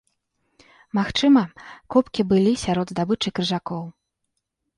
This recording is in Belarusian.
Магчыма, кубкі былі сярод здабычы крыжакоў.